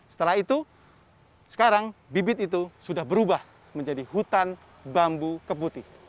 setelah itu sekarang bibit itu sudah berubah menjadi hutan bambu keputih